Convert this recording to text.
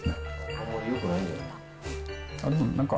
あんまりよくないんじゃないですか。